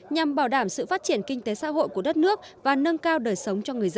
nhằm bảo đảm sự phát triển kinh tế xã hội của đất nước và nâng cao đời sống cho người dân